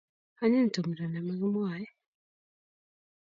Anyiny tumndo ne makimwae.